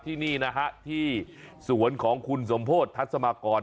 ที่นี่นะฮะที่สวนของคุณสมโพธิทัศมากร